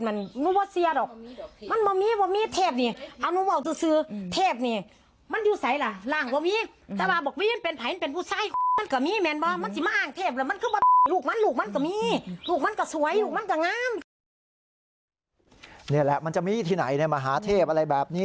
นี่แหละมันจะมีที่ไหนมหาเทพอะไรแบบนี้